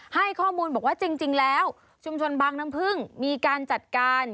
ให้ข้อมูลบอกว่าจริงแล้วชุมชนบางน้ำพึ่งมีการจัดการ